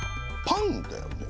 パンだよね